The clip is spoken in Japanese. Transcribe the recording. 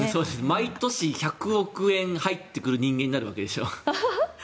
毎年１００億円入ってくる人間になるわけでしょ。